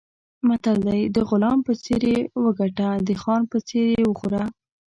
متل دی: د غلام په څېر یې وګټه، د خان په څېر یې وخوره.